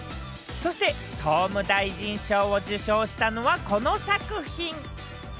そして総務大臣賞を受賞したのはこの作品。